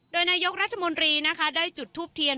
โดยนายกรัฐมนตรีนะคะได้จุดทูปเทียน